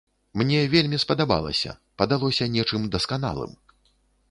Мне вельмі спадабалася, падалося нечым дасканалым.